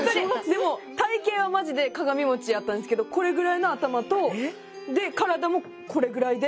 でも体形はマジで鏡餅やったんですけどこれぐらいの頭と体もこれぐらいで。